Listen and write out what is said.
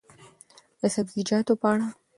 د سبزیجاتو په اړه: